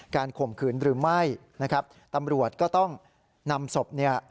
ข่มขืนหรือไม่นะครับตำรวจก็ต้องนำศพเนี่ย